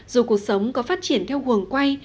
dù cuộc sống có phát triển theo huồng quay